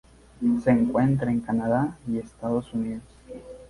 Se encuentra en Canadá y Estados Unidos.